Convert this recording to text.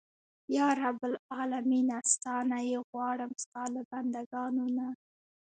یا رب العالمینه ستا نه یې غواړم ستا له بنده ګانو نه.